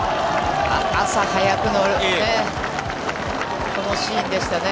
朝早くのね、このシーンでしたね。